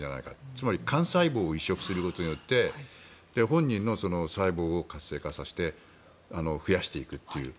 つまり幹細胞を移植することによって本人の細胞を活性化させて増やしていくという。